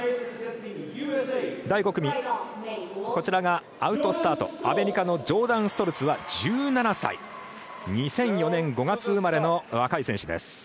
第５組アウトスタート、アメリカのジョーダン・ストルツは１７歳、２００４年５月生まれの若い選手です。